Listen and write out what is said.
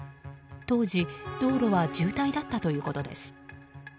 当時、道路は渋滞だったということです。